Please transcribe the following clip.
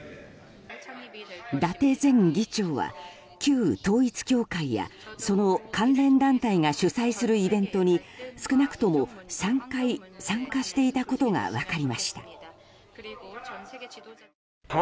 伊達前議長は旧統一教会やその関連団体が主催するイベントに少なくとも３回参加していたことが分かりました。